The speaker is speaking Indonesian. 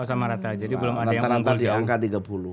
oh sama rata jadi belum ada yang mengungkul jauh